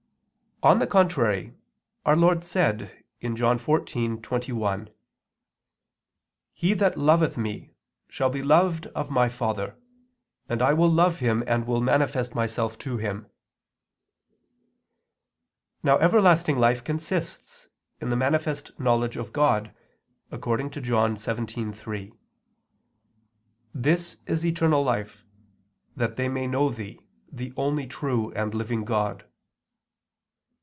On the contrary, Our Lord said (John 14:21): "He that loveth Me, shall be loved of My Father; and I will love him and will manifest Myself to him." Now everlasting life consists in the manifest knowledge of God, according to John 17:3: "This is eternal life: that they may know Thee, the only true" and living "God."